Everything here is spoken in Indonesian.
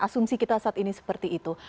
asumsi kita saat ini seperti itu